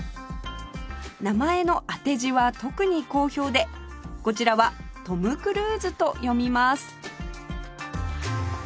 名前の当て字は特に好評でこちらは「トム・クルーズ」と読みます